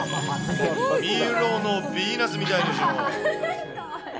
ミロのビーナスみたいでしょう。